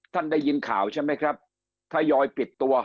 ได้ยินข่าวใช่ไหมครับทยอยปิดตัว